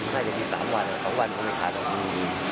น่าจะมีสามวันอะสองวันก็ไม่ทัน